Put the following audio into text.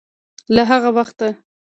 له هغه وخته